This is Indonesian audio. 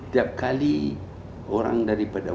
tiap kali orang daripada